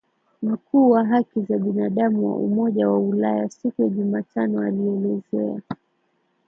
Mkuu wa haki za binadamu wa Umoja wa Ulaya siku ya Jumatano alielezea